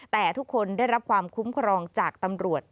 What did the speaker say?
แต่ทุกคนได้รับความคุ้มครองจากตำรวจ